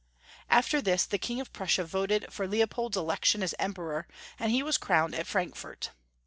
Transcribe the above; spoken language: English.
After this, the King of Prussia voted for Leo pold's election as Emperor, and he was crowned at Frankfort.